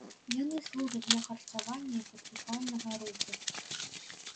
Яны служаць для харчавання і паступальнага руху.